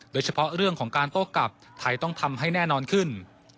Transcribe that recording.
โดยเฉพาะเรื่องของการโต้กลับไทยต้องทำให้แน่นอนขึ้น